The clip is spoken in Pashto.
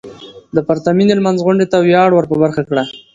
د پرتمينې لمانځغونډې ته وياړ ور په برخه کړه .